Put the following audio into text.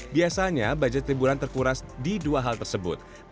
biasanya budget liburan terkuras di dua hal tersebut